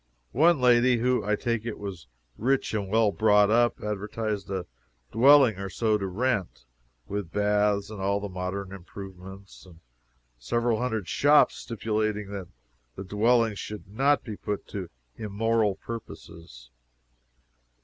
One lady, who, I take it, was rich and well brought up, advertised a dwelling or so to rent, with baths and all the modern improvements, and several hundred shops, stipulating that the dwellings should not be put to immoral purposes.